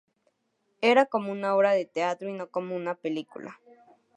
Era como una obra de teatro, y no como una película".